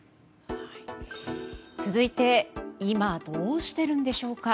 続いて今、どうしているんでしょうか。